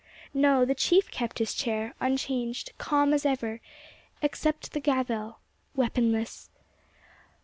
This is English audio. No, the chief kept his chair, unchanged, calm as ever—except the gavel, weaponless.